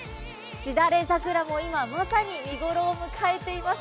しだれ桜も今、まさに見頃を迎えています。